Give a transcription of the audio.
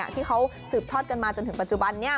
ที่เขาสืบทอดกันมาจนถึงปัจจุบันนี้